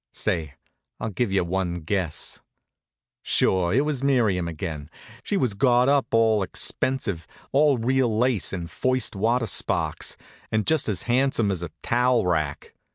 Say, I'll give you one guess. Sure, it was Miriam again. She was got up expensive, all real lace and first water sparks, and just as handsome as a towel rack.